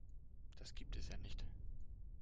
Das gibt es ja nicht!